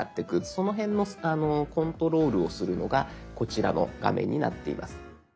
その辺のコントロールをするのがこちらの画面になっています。